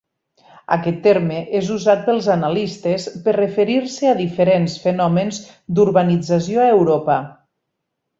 Aquest terme és usat pels analistes per referir-se a diferents fenòmens d'urbanització a Europa.